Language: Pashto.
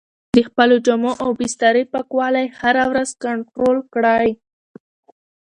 د خپلو جامو او بسترې پاکوالی هره ورځ کنټرول کړئ.